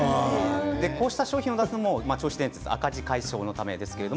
こうした商品を出すのも銚子電鉄の赤字解消のためです。